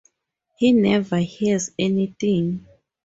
He never hears anything.